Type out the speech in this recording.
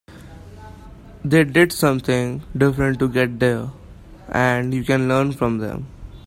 They did something different to get there and you can learn from them.